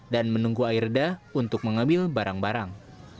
dan menunggu air reda untuk mengambil barang barang